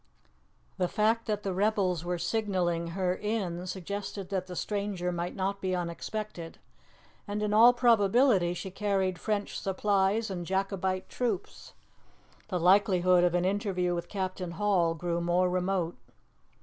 The fact that the rebels were signalling her in suggested that the stranger might not be unexpected, and in all probability she carried French supplies and Jacobite troops. The likelihood of an interview with Captain Hall grew more remote.